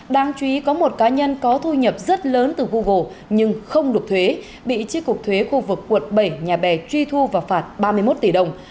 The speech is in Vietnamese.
đáng chú ý có một cá nhân có thu nhập rất lớn từ google nhưng không đột thuế bị tri cục thuế khu vực quận bảy nhà bè truy thu và phạt ba mươi một tỷ đồng